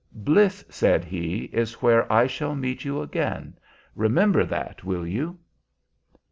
"Bliss," said he, "is where I shall meet you again: remember that, will you?"